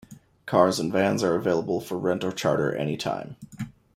Cars and vans are available for rent or charter any time.